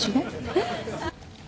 えっ？